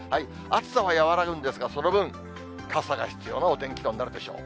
暑さは和らぐんですが、その分、傘が必要なお天気となるでしょう。